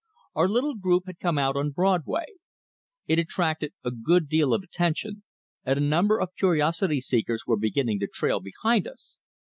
Our little group had come out on Broadway. It attracted a good deal of attention, and a number of curiosity seekers were beginning to trail behind us.